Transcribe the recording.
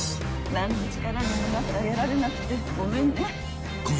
何の力にもなってあげられなくてごめんね。